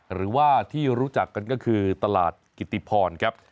หรือว่าที่รู้จักกันก็คือตลาดกิติพรครับ